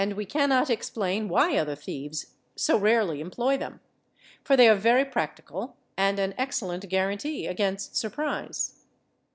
we cannot explain why other thieves so rarely employ them, for they are very practical and an excellent guarantee against surprise.